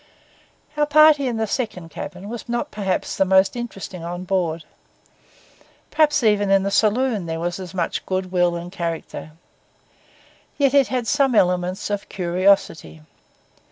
Our party in the second cabin was not perhaps the most interesting on board. Perhaps even in the saloon there was as much good will and character. Yet it had some elements of curiosity.